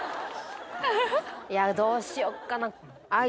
いやどうしよっかな。